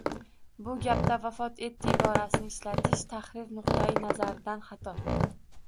Bu gapda vafot etdi iborasini ishlatish tahrir nuqtai nazaridan xato